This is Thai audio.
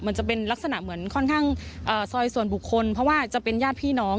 มันจะเป็นลักษณะเหมือนค่อนข้างซอยส่วนบุคคลเพราะว่าจะเป็นญาติพี่น้อง